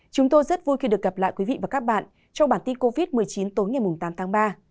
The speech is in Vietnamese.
chúng tôi rất vui khi được gặp lại quý vị và các bạn trong bản tin covid một mươi chín tối ngày tám tháng ba